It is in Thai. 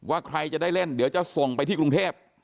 ใครจะได้เล่นเดี๋ยวจะส่งไปที่กรุงเทพ